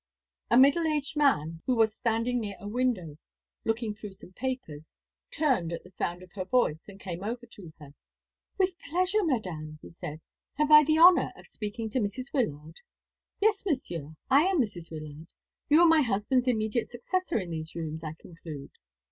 A middle aged man, who was standing near a window looking through some papers, turned at the sound of her voice, and came over to her. "With pleasure, Madame," he said. "Have I he honour of speaking to Mrs. Wyllard?" "Yes, Monsieur, I am Mrs. Wyllard. You were my husband's immediate successor in these rooms, I conclude?"